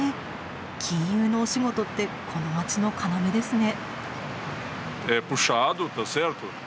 金融のお仕事ってこの街の要ですね。